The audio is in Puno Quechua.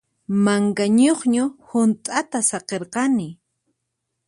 Manka ñuqñu hunt'ata saqirqani.